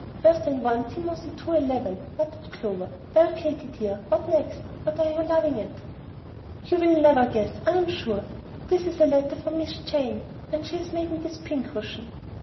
"Worse than 1 Timothy, ii. 11," muttered Clover. "Well, Katy dear, what next? What are you laughing at?" "You will never guess, I am sure. This is a letter from Miss Jane! And she has made me this pincushion!"